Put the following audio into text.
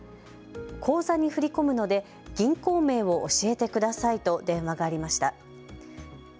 口座に振り込むので銀行名を教えてくださいと電話がありました。